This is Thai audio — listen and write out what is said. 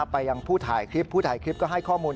ไปยังผู้ถ่ายคลิปผู้ถ่ายคลิปก็ให้ข้อมูล